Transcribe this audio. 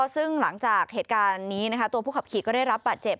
ซึ่งหลังจากเหตุการณ์นี้ตัวผู้ขับขี่ก็ได้รับบาดเจ็บ